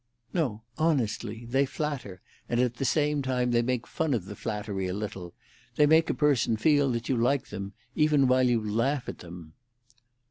"No, honestly. They flatter, and at the same time they make fun of the flattery a little; they make a person feel that you like them, even while you laugh at them."